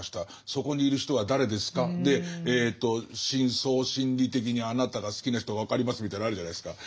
そこにいる人は誰ですか？」で深層心理的にあなたが好きな人が分かりますみたいなのあるじゃないですか。